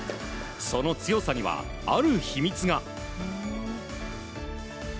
その強さには、ある秘密が。